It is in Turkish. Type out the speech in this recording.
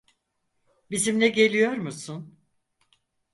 Bizimle geliyor musun?